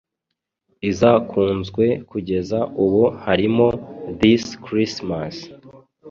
izakunzwe kugeza ubu harimo This Christmas